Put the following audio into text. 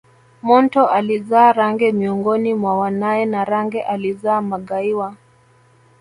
Monto alizaa Range miongoni mwa wanae na Range alizaa Magaiwa